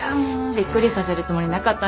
びっくりさせるつもりなかったんですけど。